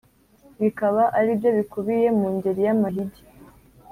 bikaba ari byo bikubiye mu ngeri y’amahigi.